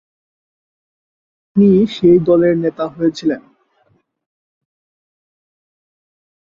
তিনি সেই দলের নেতা হয়েছিলেন।